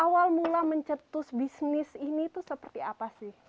awal mula mencetus bisnis ini itu seperti apa sih